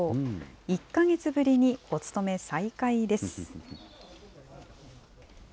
１か月ぶりにお勤め再開です。